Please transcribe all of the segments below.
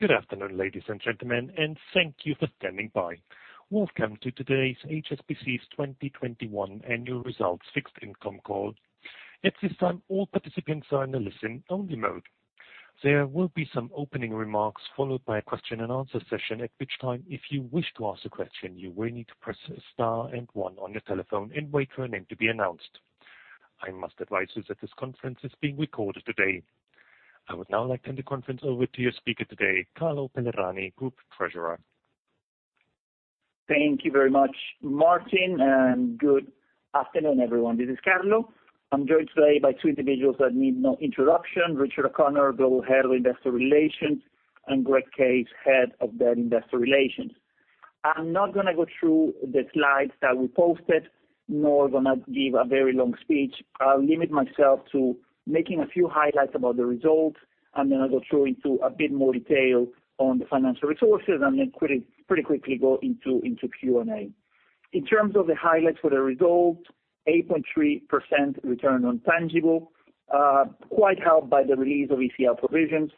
Good afternoon, ladies and gentlemen, and thank you for standing by. Welcome to today's HSBC's 2021 annual results fixed income call. At this time, all participants are in a listen-only mode. There will be some opening remarks followed by a question-and-answer session, at which time, if you wish to ask a question, you will need to press star and one on your telephone and wait for your name to be announced. I must advise you that this conference is being recorded today. I would now like to hand the conference over to your speaker today, Carlo Pellerani, Group Treasurer. Thank you very much, Martin, and good afternoon, everyone. This is Carlo. I'm joined today by two individuals that need no introduction, Richard O'Connor, Global Head of Investor Relations, and Greg Case, Head of Debt Investor Relations. I'm not gonna go through the slides that we posted, nor gonna give a very long speech. I'll limit myself to making a few highlights about the results, and then I'll go through into a bit more detail on the financial resources and then pretty quickly go into Q&A. In terms of the highlights for the results, 8.3% return on tangible quite helped by the release of ECL provisions.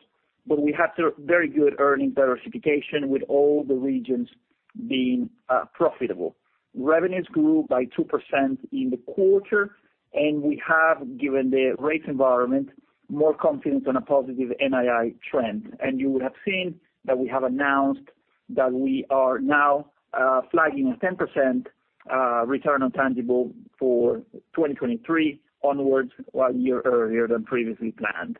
We had very good earning participation with all the regions being profitable. Revenues grew by 2% in the quarter, and we have, given the rate environment, more confidence on a positive NII trend. You would have seen that we have announced that we are now flagging a 10% return on tangible for 2023 onwards, one year earlier than previously planned.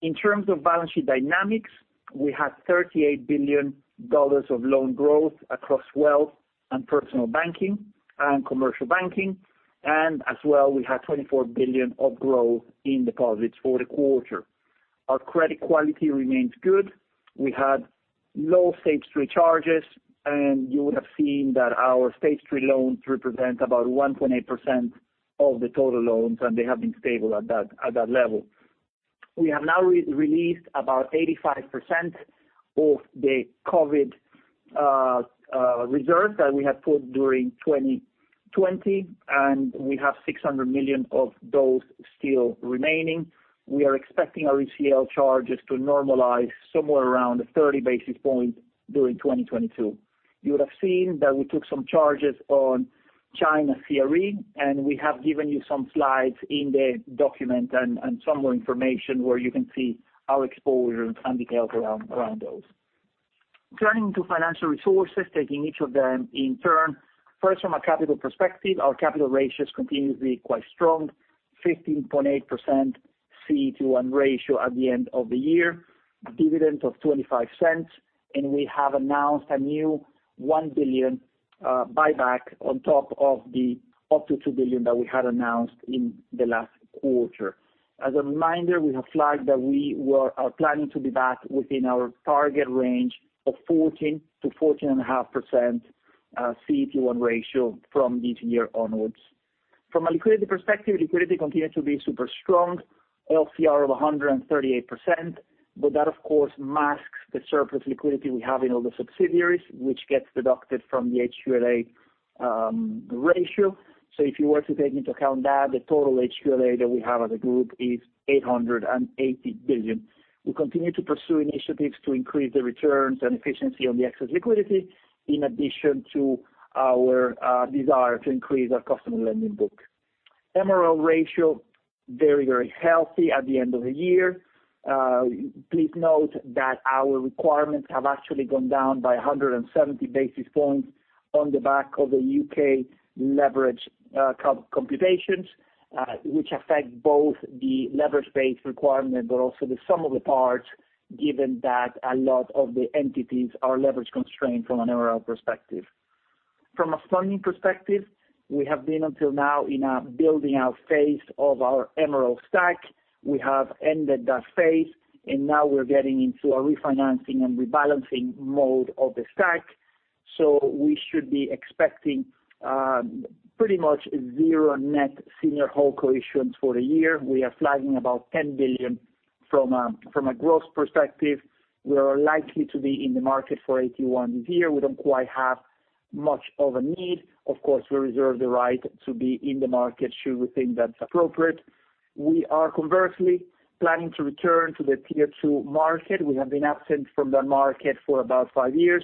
In terms of balance sheet dynamics, we had $38 billion of loan growth across wealth and personal banking and commercial banking. As well, we had $24 billion of growth in deposits for the quarter. Our credit quality remains good. We had low Stage 3 charges, and you would have seen that our Stage 3 loans represent about 1.8% of the total loans, and they have been stable at that level. We have now released about 85% of the COVID reserve that we put during 2020, and we have $600 million of those still remaining. We are expecting our ECL charges to normalize somewhere around 30 basis points during 2022. You would have seen that we took some charges on China CRE, and we have given you some slides in the document and some more information where you can see our exposure and details around those. Turning to financial resources, taking each of them in turn. First, from a capital perspective, our capital ratios continue to be quite strong. 15.8% CET1 ratio at the end of the year, dividend of $0.25, and we have announced a new $1 billion buyback on top of the up to $2 billion that we had announced in the last quarter. As a reminder, we have flagged that we are planning to be back within our target range of 14%-14.5% CET1 ratio from this year onwards. From a liquidity perspective, liquidity continues to be super strong. LCR of 138%, but that of course masks the surplus liquidity we have in all the subsidiaries, which gets deducted from the HQLA ratio. If you were to take into account that, the total HQLA that we have as a group is $880 billion. We continue to pursue initiatives to increase the returns and efficiency on the excess liquidity, in addition to our desire to increase our customer lending book. MREL ratio, very, very healthy at the end of the year. Please note that our requirements have actually gone down by 170 basis points on the back of the U.K. leverage capital computations, which affect both the leverage-based requirement, but also the sum of the parts, given that a lot of the entities are leverage-constrained from an MREL perspective. From a funding perspective, we have been until now in a building out phase of our MREL stack. We have ended that phase, and now we're getting into a refinancing and rebalancing mode of the stack. We should be expecting pretty much zero net senior HoldCo issuances for the year. We are flagging about $10 billion from a growth perspective. We are likely to be in the market for AT-1 this year. We don't quite have much of a need. Of course, we reserve the right to be in the market should we think that's appropriate. We are conversely planning to return to the Tier 2 market. We have been absent from that market for about five years,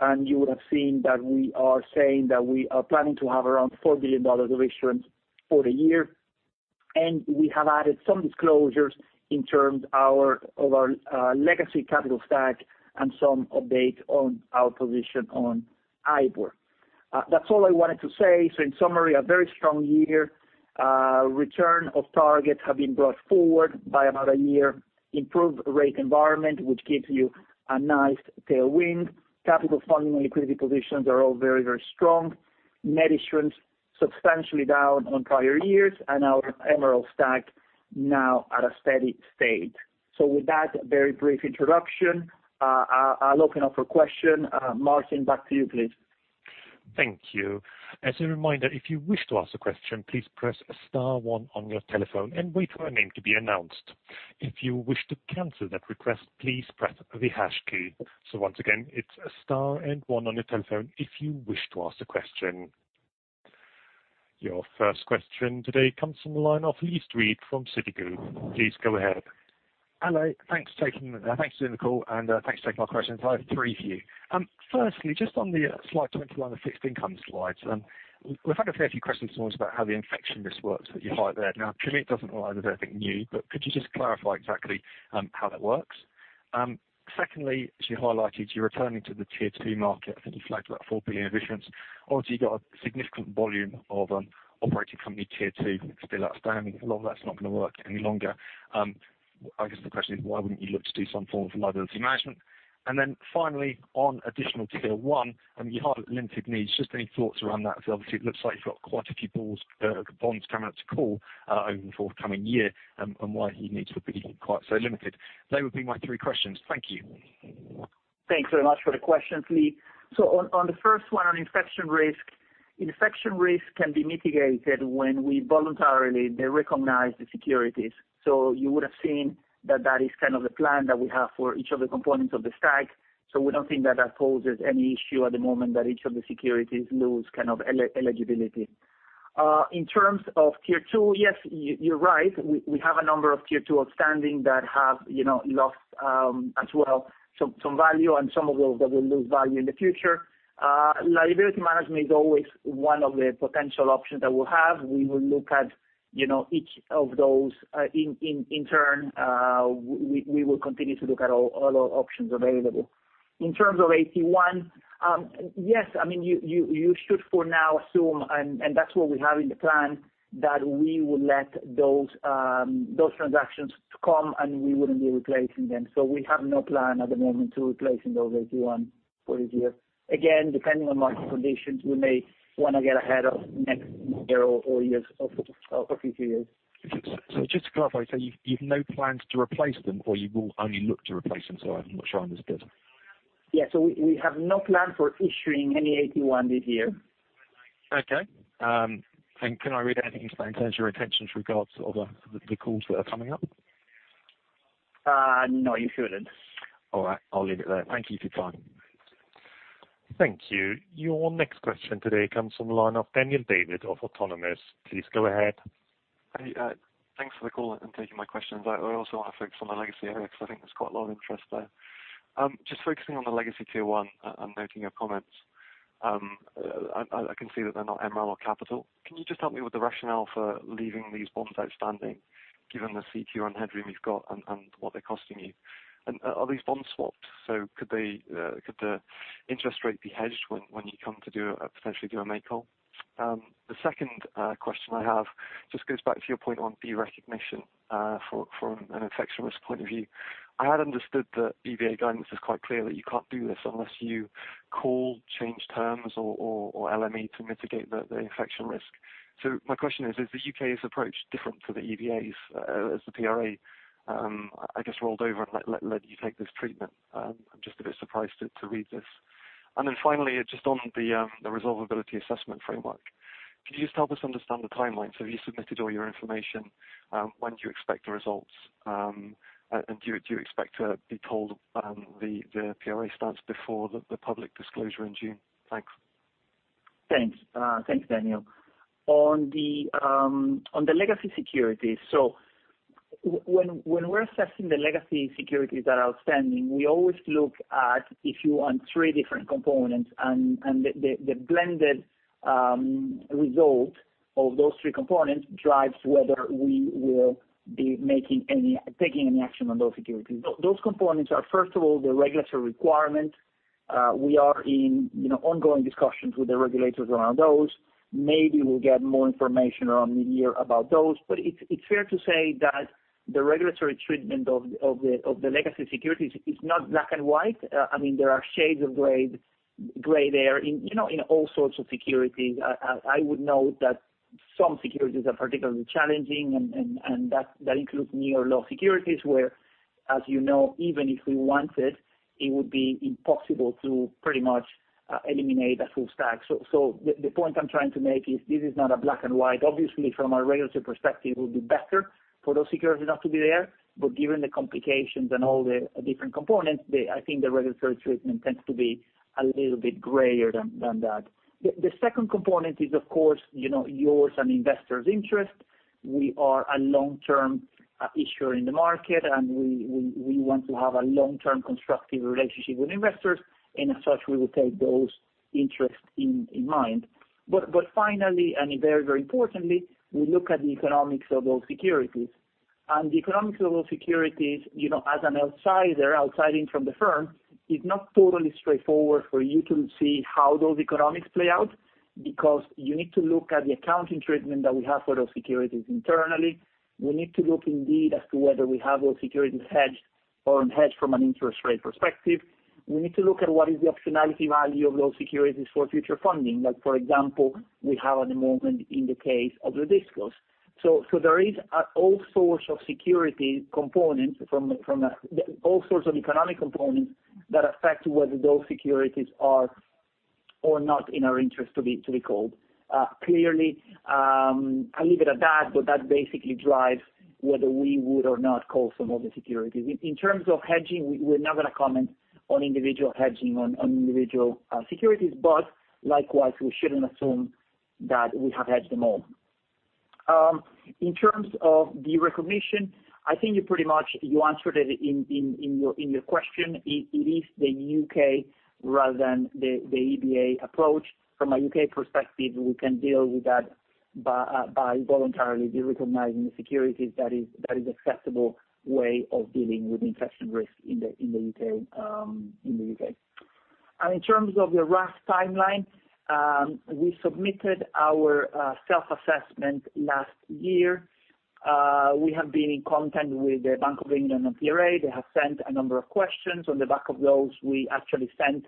and you would have seen that we are saying that we are planning to have around $4 billion of issuance for the year. We have added some disclosures in terms of our legacy capital stack and some update on our position on IBOR. That's all I wanted to say. In summary, a very strong year. Return of targets have been brought forward by about a year. Improved rate environment, which gives you a nice tailwind. Capital funding and liquidity positions are all very, very strong. Net issuance substantially down on prior years, and our MREL stack now at a steady state. With that very brief introduction, I'll open up for question. Martin, back to you, please. Thank you. As a reminder, if you wish to ask a question, please press star one on your telephone and wait for your name to be announced. If you wish to cancel that request, please press the hash key. Once again, it's star and one on your telephone if you wish to ask a question. Your first question today comes from the line of Lee Street from Citigroup. Please go ahead. Hello. Thanks for doing the call. Thanks for taking my questions. I have three for you. Firstly, just on the slide 21, the fixed income slide. We've had a fair few questions almost about how the financial contagion works that you highlight there. Now, to me, it doesn't rely on anything new, but could you just clarify exactly, how that works? Secondly, as you highlighted, you're returning to the Tier 2 market, I think you flagged about $4 billion of issuance. Obviously, you've got a significant volume of, operating company Tier 2 still outstanding. A lot of that's not gonna work any longer. I guess the question is, why wouldn't you look to do some form of liability management? Then finally, on additional Tier 1, I mean, you highlight limited needs, just any thoughts around that. Because obviously, it looks like you've got quite a few sub bonds coming up to call over the forthcoming year and why you need to be quite so limited. They would be my three questions. Thank you. Thanks very much for the questions, Lee. On the first one, on infection risk, infection risk can be mitigated when we voluntarily derecognize the securities. You would have seen that that is kind of the plan that we have for each of the components of the stack. We don't think that that poses any issue at the moment that each of the securities lose kind of eligibility. In terms of Tier 2, yes, you're right. We have a number of Tier 2 outstanding that have, you know, lost, as well, some value and some of those that will lose value in the future. Liability management is always one of the potential options that we'll have. We will look at, you know, each of those, in turn. We will continue to look at all our options available. In terms of AT1, yes, I mean, you should for now assume, and that's what we have in the plan, that we will let those transactions come, and we wouldn't be replacing them. We have no plan at the moment to replace those AT1 for this year. Again, depending on market conditions, we may wanna get ahead of next year or two years of AT1. Just to clarify, you've no plans to replace them, or you will only look to replace them? I'm not sure I understood. Yeah. We have no plan for issuing any AT1 this year. Okay. Can I read anything into that in terms of your intentions regarding the calls that are coming up? No, you shouldn't. All right. I'll leave it there. Thank you for your time. Thank you. Your next question today comes from the line of Daniel David of Autonomous. Please go ahead. Hey, thanks for the call and taking my questions. I also want to focus on the legacy area because I think there's quite a lot of interest there. Just focusing on the legacy Tier 1, I'm noting your comments. I can see that they're not MREL or capital. Can you just help me with the rationale for leaving these bonds outstanding given the CET1 headroom you've got and what they're costing you? Are these bonds swapped? So could the interest rate be hedged when you come to do potentially a make-whole? The second question I have just goes back to your point on derecognition from a financial contagion point of view. I had understood that EBA guidance is quite clear that you can't do this unless you call, change terms or LME to mitigate the financial contagion. My question is the U.K.'s approach different to the EBA's, as the PRA, I guess, rolled over and let you take this treatment? I'm just a bit surprised to read this. Finally, just on the Resolvability Assessment Framework. Could you just help us understand the timeline? Have you submitted all your information, when do you expect the results? And do you expect to be told the PRA stance before the public disclosure in June? Thanks. Thanks. Thanks, Daniel. On the legacy security, when we're assessing the legacy securities that are outstanding, we always look at issue on three different components, and the blended result of those three components drives whether we will be taking any action on those securities. Those components are, first of all, the regulatory requirement. We are in, you know, ongoing discussions with the regulators around those. Maybe we'll get more information around mid-year about those. It's fair to say that the regulatory treatment of the legacy securities is not black and white. I mean, there are shades of gray there in, you know, in all sorts of securities. I would note that some securities are particularly challenging and that includes near-low securities, where, as you know, even if we wanted, it would be impossible to pretty much eliminate a full stack. The point I'm trying to make is this is not a black and white. Obviously, from a regulatory perspective, it would be better for those securities not to be there. Given the complications and all the different components, I think the regulatory treatment tends to be a little bit grayer than that. The second component is, of course, you know, yours and investors' interest. We are a long-term issuer in the market, and we want to have a long-term constructive relationship with investors, and as such, we will take those interests in mind. Finally, very importantly, we look at the economics of those securities. The economics of those securities, you know, as an outsider, outside in from the firm, is not totally straightforward for you to see how those economics play out because you need to look at the accounting treatment that we have for those securities internally. We need to look indeed as to whether we have those securities hedged or unhedged from an interest rate perspective. We need to look at what is the optionality value of those securities for future funding, like, for example, we have at the moment in the case of the DisCos. There is all sorts of economic components that affect whether those securities are or not in our interest to be called. Clearly, I'll leave it at that, but that basically drives whether we would or not call some of the securities. In terms of hedging, we're not gonna comment on individual hedging on individual securities. But likewise, we shouldn't assume that we have hedged them all. In terms of the recognition, I think you pretty much answered it in your question. It is the U.K. rather than the EBA approach. From a U.K. perspective, we can deal with that by voluntarily derecognizing the securities. That is an acceptable way of dealing with financial contagion in the U.K. In terms of the RAF timeline, we submitted our self-assessment last year. We have been in contact with the Bank of England and PRA. They have sent a number of questions. On the back of those, we actually sent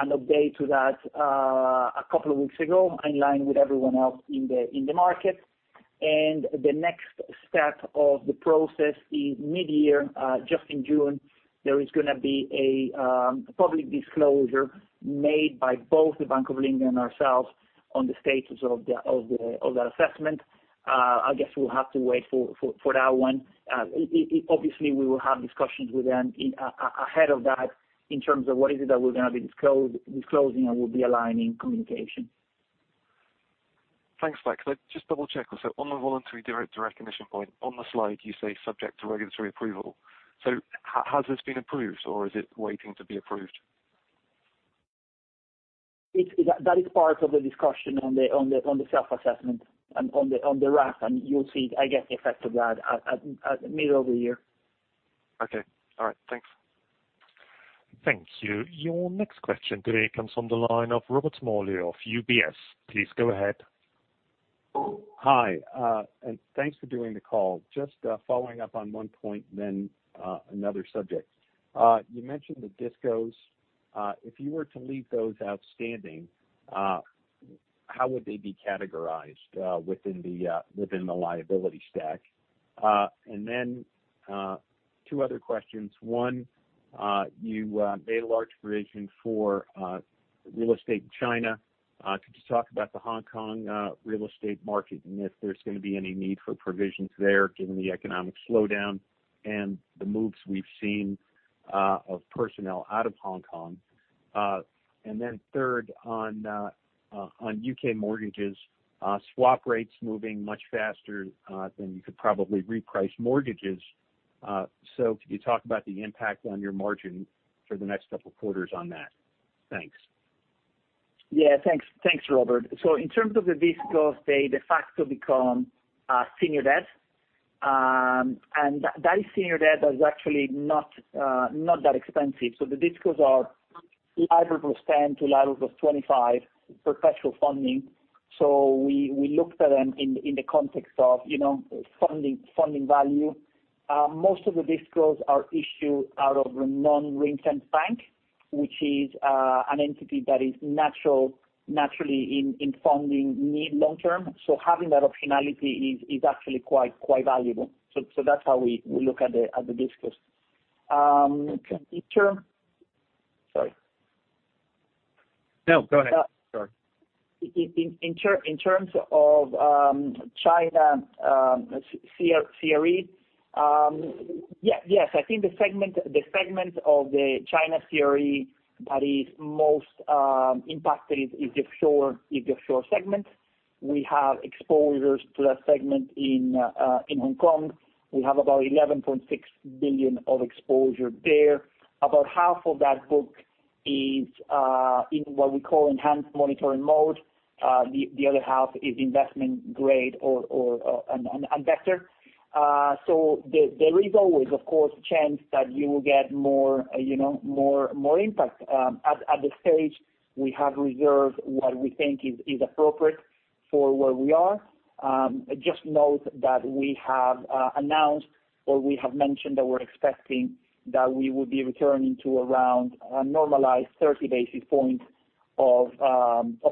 an update to that, a couple of weeks ago, in line with everyone else in the market. The next step of the process is mid-year, just in June, there is gonna be a public disclosure made by both the Bank of England and ourselves on the status of that assessment. I guess we'll have to wait for that one. Obviously, we will have discussions with them ahead of that in terms of what is it that we're gonna be disclosing, and we'll be aligning communication. Thanks, Carlo Pellerani. Could I just double-check this? On the voluntary direct recognition point, on the slide you say subject to regulatory approval. Has this been approved, or is it waiting to be approved? That is part of the discussion on the self-assessment and on the RAF, and you'll see, I guess, the effect of that at middle of the year. Okay. All right. Thanks. Thank you. Your next question today comes from the line of Robert Smalley of UBS. Please go ahead. Hi, thanks for doing the call. Just following up on one point, then another subject. You mentioned the DisCos. If you were to leave those outstanding, how would they be categorized within the liability stack? Two other questions. One, you made a large provision for real estate in China. Could you talk about the Hong Kong real estate market, and if there's gonna be any need for provisions there given the economic slowdown and the moves we've seen of personnel out of Hong Kong? Third, on U.K. mortgages, swap rates moving much faster than you could probably reprice mortgages. Could you talk about the impact on your margin for the next couple of quarters on that? Thanks. Yeah. Thanks. Thanks, Robert. In terms of the DisCos, they de facto become senior debt. That senior debt is actually not that expensive. The DisCos are LIBOR+ 10 to LIBOR+ 25 perpetual funding. We looked at them in the context of, you know, funding value. Most of the DisCos are issued out of the non-ring-fenced bank, which is an entity that is naturally in funding need long term. Having that optionality is actually quite valuable. That's how we look at the DisCos. No, go ahead. Sorry. In terms of China CRE, yeah. Yes, I think the segment of the China CRE that is most impacted is the offshore segment. We have exposures to that segment in Hong Kong. We have about $11.6 billion of exposure there. About half of that book is in what we call enhanced monitoring mode. The other half is investment grade or an investor. So there is always, of course, chance that you will get more, you know, more impact. At this stage, we have reserved what we think is appropriate for where we are. Just note that we have announced or we have mentioned that we're expecting that we will be returning to around a normalized 30 basis points of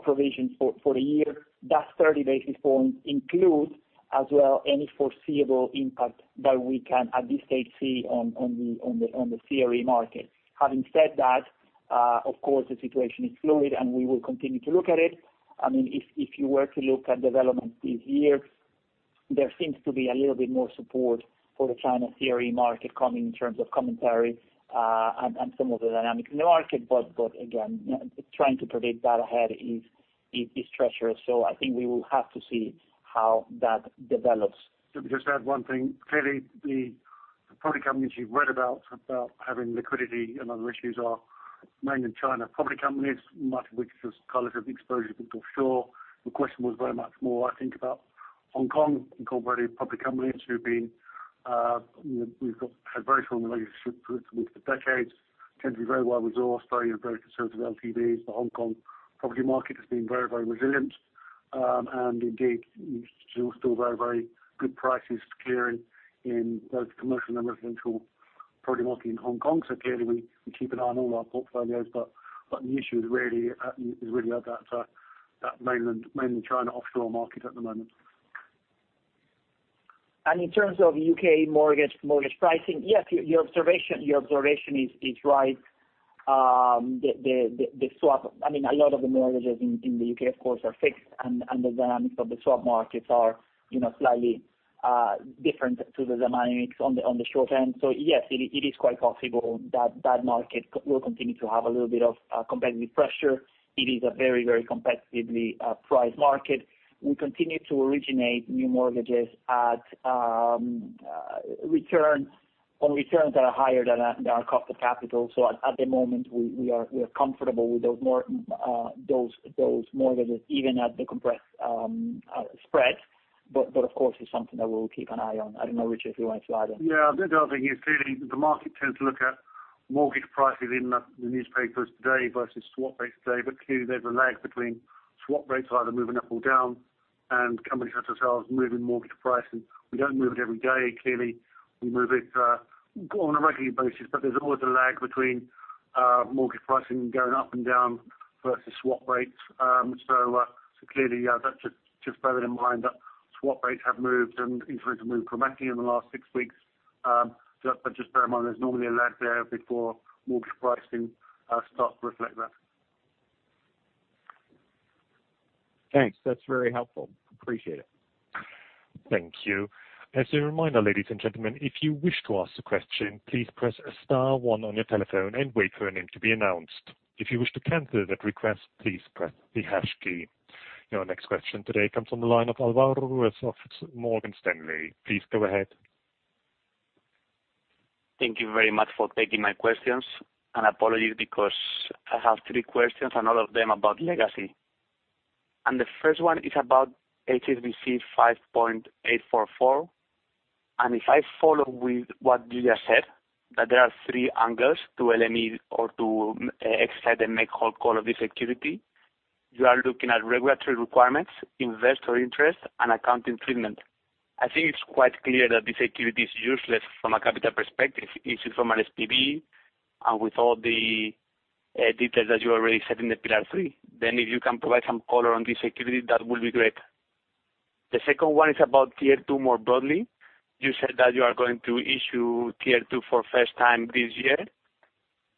provisions for the year. That 30 basis points includes as well any foreseeable impact that we can at this stage see on the CRE market. Having said that, of course, the situation is fluid, and we will continue to look at it. I mean, if you were to look at developments this year, there seems to be a little bit more support for the China CRE market coming in terms of commentary and some of the dynamics in the market. But again, you know, trying to predict that ahead is treacherous. I think we will have to see how that develops. Let me just add one thing. Clearly, the property companies you've read about having liquidity and other issues are mainly China property companies, much of which is collateral exposure but offshore. The question was very much more, I think, about Hong Kong incorporated public companies we've had very strong relationship with for decades, tend to be very well resourced, very conservative LTVs. The Hong Kong property market has been very resilient. Indeed, still very good prices clearing in both the commercial and residential property market in Hong Kong. Clearly, we keep an eye on all our portfolios, but the issue is really at that mainland China offshore market at the moment. In terms of U.K. mortgage pricing, yes, your observation is right. I mean, a lot of the mortgages in the U.K., of course, are fixed and the dynamics of the swap markets are, you know, slightly different to the dynamics on the short end. Yes, it is quite possible that market will continue to have a little bit of competitive pressure. It is a very competitively priced market. We continue to originate new mortgages at returns that are higher than our cost of capital. At the moment we are comfortable with those mortgages even at the compressed spreads. Of course, it's something that we'll keep an eye on. I don't know, Richard, if you want to add on. Yeah. The other thing is clearly the market tends to look at mortgage prices in the newspapers today versus swap rates today. Clearly there's a lag between swap rates either moving up or down and companies such as ourselves moving mortgage pricing. We don't move it every day. Clearly we move it on a regular basis, but there's always a lag between mortgage pricing going up and down versus swap rates. So clearly that's just bear that in mind that swap rates have moved and interest rates have moved dramatically in the last six weeks. Just bear that in mind. There's normally a lag there before mortgage pricing starts to reflect that. Thanks. That's very helpful. Appreciate it. Thank you. As a reminder, ladies and gentlemen, if you wish to ask a question, please press star one on your telephone and wait for your name to be announced. If you wish to cancel that request, please press the hash key. Your next question today comes from the line of Alvaro of Morgan Stanley. Please go ahead. Thank you very much for taking my questions. Apologies because I have three questions and all of them about legacy. The first one is about HSBC 5.844. If I follow with what you just said, that there are three angles to the exercise and make-whole call of this security. You are looking at regulatory requirements, investor interest and accounting treatment. I think it's quite clear that this security is useless from a capital perspective, issued from an SPV and with all the details that you already said in the Pillar 3. If you can provide some color on this security, that would be great. The second one is about Tier 2 more broadly. You said that you are going to issue Tier 2 for first time this year.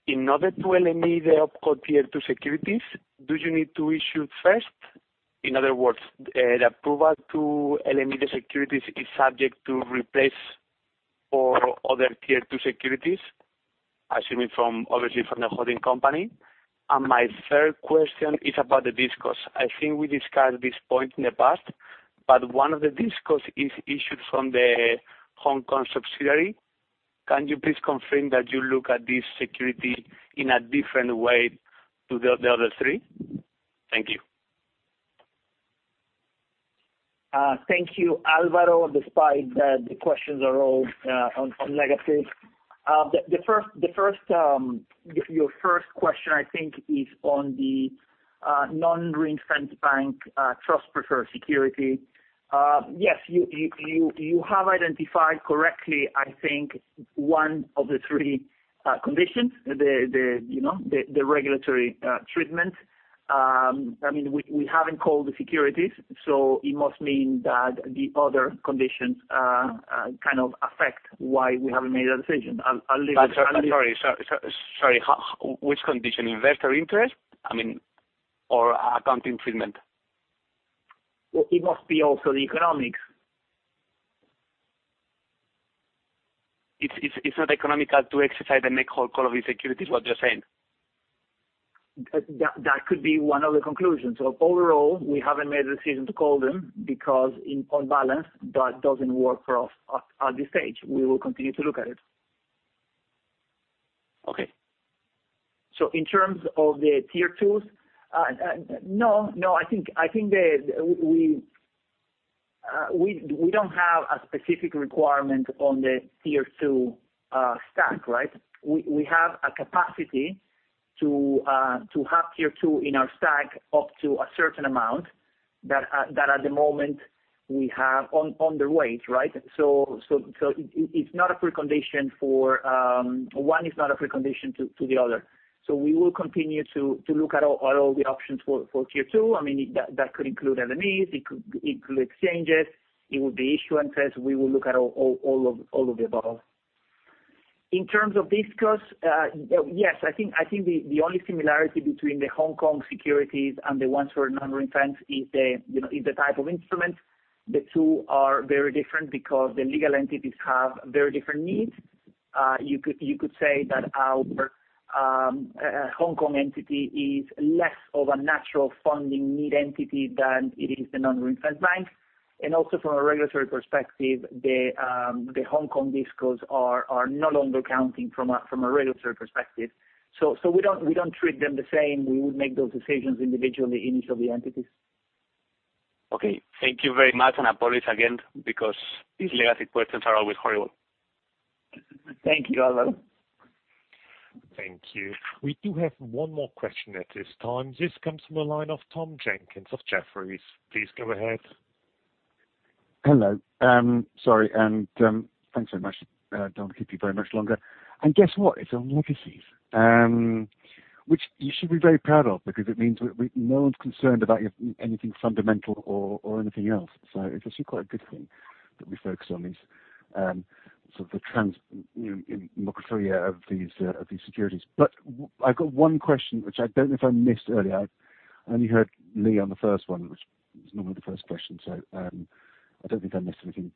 In order to call the opco Tier 2 securities, do you need to issue first? In other words, the approval to call the securities is subject to replacement for other Tier 2 securities, assuming from obviously from the holding company. My third question is about the DisCos. I think we discussed this point in the past, but one of the DisCos is issued from the Hong Kong subsidiary. Can you please confirm that you look at this security in a different way to the other three? Thank you. Thank you, Alvaro. Despite the questions are all on legacy. The first, your first question, I think, is on the non-ring-fenced bank trust preferred security. Yes, you have identified correctly, I think one of the three conditions, you know, the regulatory treatment. I mean, we haven't called the securities, so it must mean that the other conditions kind of affect why we haven't made a decision. I'll leave it- Sorry, so sorry. Which condition? Investor interest? I mean, or accounting treatment? Well, it must be also the economics. It's not economical to exercise and make-whole call of the securities is what you're saying. That could be one of the conclusions. Overall, we haven't made a decision to call them because on balance that doesn't work for us at this stage. We will continue to look at it. Okay. In terms of the Tier 2s, no, I think we don't have a specific requirement on the Tier 2 stack, right? We have a capacity to have Tier 2 in our stack up to a certain amount that at the moment we have on the way, right? It's not a precondition for one is not a precondition to the other. We will continue to look at all the options for Tier 2. I mean, that could include LMEs, it could exchanges, it would be issuances. We will look at all of the above. In terms of DisCos, yes, I think the only similarity between the Hong Kong securities and the ones for non-ring-fenced is the type of instrument. The two are very different because the legal entities have very different needs. You could say that our Hong Kong entity is less of a natural funding need entity than it is the non-ring-fenced bank. Also from a regulatory perspective, the Hong Kong DisCos are no longer counting from a regulatory perspective. We don't treat them the same. We would make those decisions individually in each of the entities. Okay. Thank you very much, and I apologize again because these legacy questions are always horrible. Thank you, Alvaro. Thank you. We do have one more question at this time. This comes from a line of Tom Jenkins of Jefferies. Please go ahead. Hello. Sorry and thanks so much. Don't keep you very much longer. Guess what? It's on legacies, which you should be very proud of because it means no one's concerned about anything fundamentals or anything else. It's actually quite a good thing that we focus on these, you know, in minutiae of these securities. I've got one question, which I don't know if I missed earlier. You heard me on the first one, which is normally the first question, so I don't think I missed anything.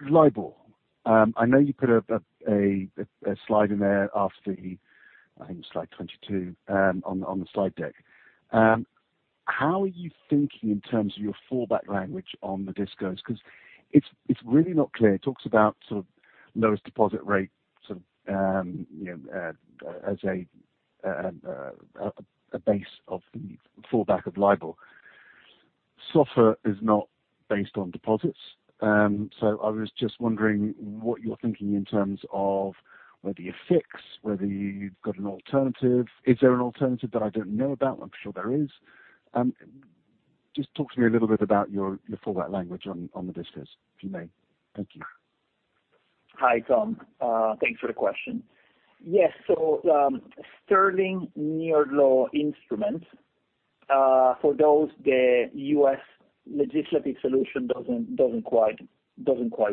LIBOR. I know you put a slide in there. I think it's slide 22 on the slide deck. How are you thinking in terms of your fallback language on the CoCos? It's really not clear. It talks about sort of lowest deposit rate, so you know as a base of the fallback of LIBOR. SOFR is not based on deposits. So I was just wondering what you're thinking in terms of whether you fix, whether you've got an alternative. Is there an alternative that I don't know about? I'm sure there is. Just talk to me a little bit about your fallback language on the DisCos, if you may. Thank you. Hi, Tom. Thanks for the question. Yes. Sterling New York law instruments, for those, the U.S. legislative solution doesn't quite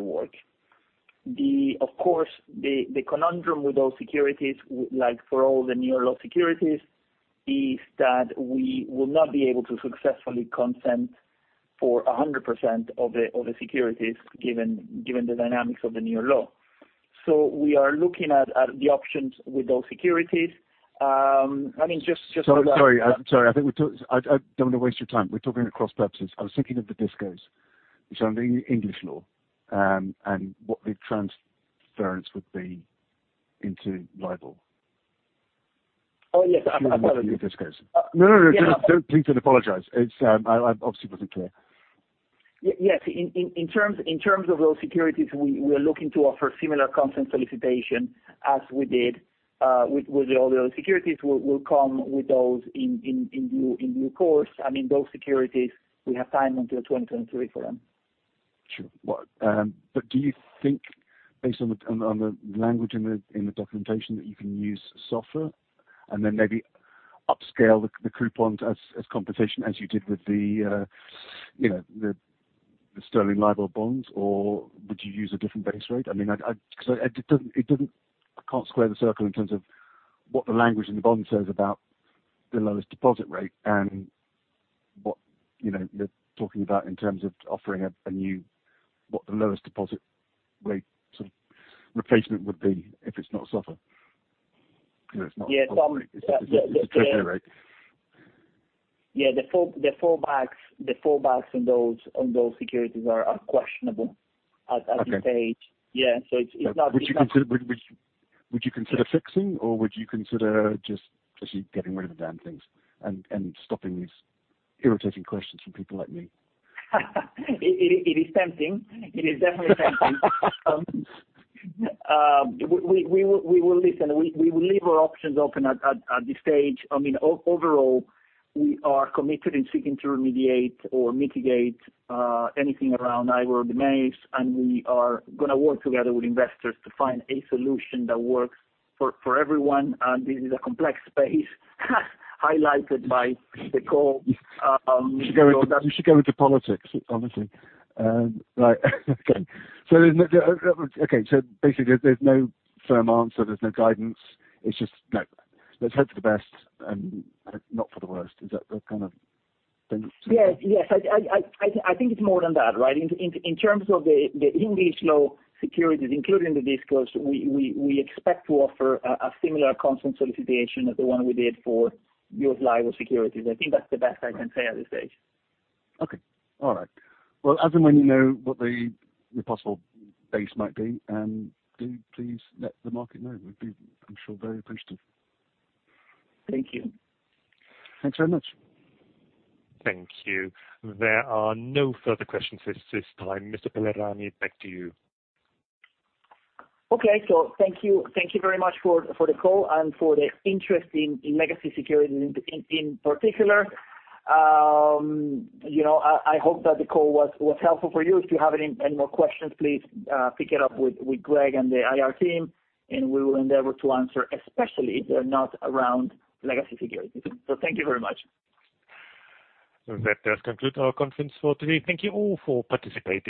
work. Of course, the conundrum with those securities, like for all the New York law securities, is that we will not be able to successfully consent for 100% of the securities given the dynamics of the New York law. We are looking at the options with those securities. I mean, just Sorry. I don't wanna waste your time. We're talking at cross-purposes. I was thinking of the DisCos. Under English law, and what the transference would be into LIBOR. Oh, yes. I'm assuming the DisCos. Yeah. No. No, no. Please don't apologize. It's, I obviously wasn't clear. Yes. In terms of those securities, we are looking to offer similar consent solicitation as we did with all the other securities, we'll come with those in due course. I mean, those securities, we have time until 2023 for them. Sure. Well, do you think based on the language in the documentation that you can use SOFR, and then maybe upscale the coupon as competition as you did with the sterling LIBOR bonds, or would you use a different base rate? I mean, can't square the circle in terms of what the language in the bond says about the lowest deposit rate and what you're talking about in terms of offering a new what the lowest deposit rate sort of replacement would be if it's not SOFR. You know, it's not. Yeah. Tom- It's a treasury rate. Yeah. The fallbacks on those securities are questionable at this stage. Okay. Yeah. It's not Would you consider fixing, or would you consider just actually getting rid of the damn things and stopping these irritating questions from people like me? It is tempting. It is definitely tempting. We will... Listen, we will leave our options open at this stage. I mean, overall, we are committed in seeking to remediate or mitigate anything around IBOR domains, and we are gonna work together with investors to find a solution that works for everyone. This is a complex space, highlighted by the call. You should go into politics, honestly. Right. Okay. Basically, there's no firm answer. There's no guidance. It's just, "Let's hope for the best and not for the worst." Is that the kind of thing? Yes. I think it's more than that, right? In terms of the English law securities, including the DisCos, we expect to offer a similar consent solicitation as the one we did for your LIBOR securities. I think that's the best I can say at this stage. Okay. All right. Well, as and when you know what the possible base might be, do please let the market know. We'd be, I'm sure, very interested. Thank you. Thanks very much. Thank you. There are no further questions at this time. Mr. Pellerani, back to you. Okay. Thank you very much for the call and for the interest in legacy securities in particular. You know, I hope that the call was helpful for you. If you have any more questions, please pick it up with Greg and the IR team, and we will endeavor to answer, especially if they're not around legacy securities. Thank you very much. That does conclude our conference for today. Thank you all for participating.